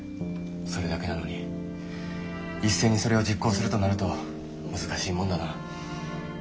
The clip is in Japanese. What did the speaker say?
それだけなのに一斉にそれを実行するとなると難しいもんだな。